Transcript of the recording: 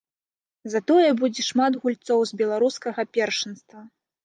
Затое будзе шмат гульцоў з беларускага першынства.